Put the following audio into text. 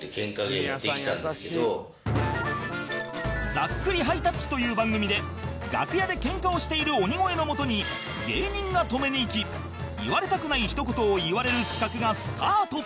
『ざっくりハイタッチ』という番組で楽屋でケンカをしている鬼越のもとに芸人が止めに行き言われたくないひと言を言われる企画がスタート